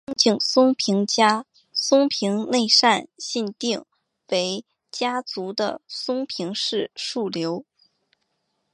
樱井松平家松平内膳信定为家祖的松平氏庶流。